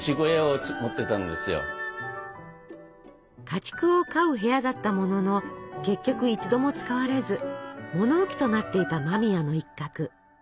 家畜を飼う部屋だったものの結局一度も使われず物置となっていた間宮の一角。